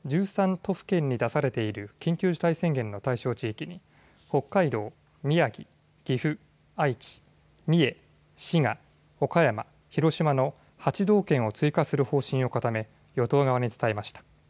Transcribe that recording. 都府県に出されている緊急事態宣言の対象地域に北海道、宮城、岐阜、愛知、三重、滋賀、岡山、広島の８道県を追加する方針を固め与党側に伝えました。